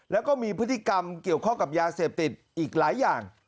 แล้วก็มีพฤติกรรมเกี่ยวข้องกับยาเสพติดอีกหลายอย่าง